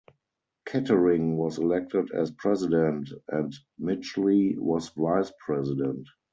Kettering was elected as president, and Midgley was vice president.